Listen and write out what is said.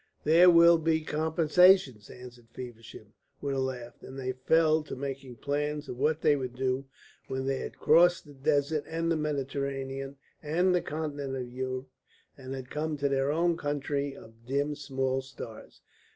"There will be compensations," answered Feversham, with a laugh; and they fell to making plans of what they would do when they had crossed the desert and the Mediterranean and the continent of Europe, and had come to their own country of dim small stars.